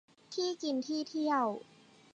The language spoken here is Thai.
ที่กินที่เที่ยว